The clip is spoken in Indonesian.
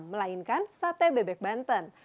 melainkan sate bebek banten